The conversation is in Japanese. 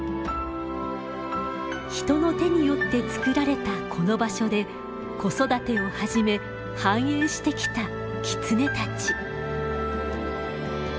人の手によって造られたこの場所で子育てを始め繁栄してきたキツネたち。